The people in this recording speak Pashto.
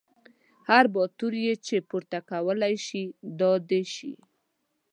هر باتور یې چې پورته کولی شي را دې شي.